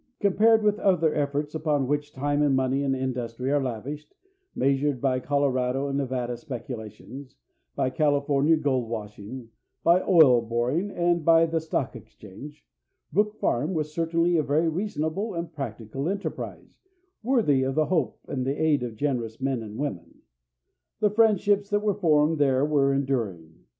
Compared with other efforts upon which time and money and industry are lavished, measured by Colorado and Nevada speculations, by California gold washing, by oil boring, and by the Stock Exchange, Brook Farm was certainly a very reasonable and practical enterprise, worthy of the hope and aid of generous men and women. The friendships that were formed there were enduring.